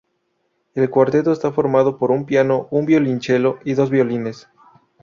El cuarteto está formado por un piano, un violonchelo y dos violines.